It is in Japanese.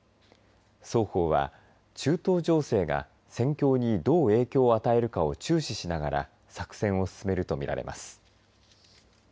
双方は、中東情勢が戦況にどう影響を与えるかを注視しながら作戦を進めると見られます。